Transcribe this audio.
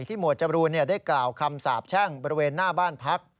หมวดจรูนได้กล่าวคำสาบแช่งบริเวณหน้าบ้านพัก